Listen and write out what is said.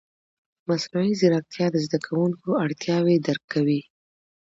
مصنوعي ځیرکتیا د زده کوونکو اړتیاوې درک کوي.